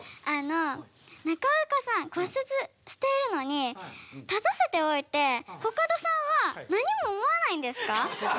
中岡さん骨折しているのに立たせておいてコカドさんは何も思わないんですか？